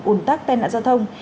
ủng tắc tai nạn giao thông